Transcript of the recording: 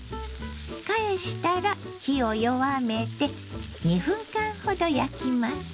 返したら火を弱めて２分間ほど焼きます。